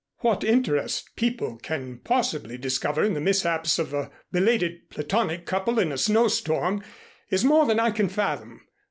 "What interest people can possibly discover in the mishaps of a belated platonic couple in a snowstorm is more than I can fathom.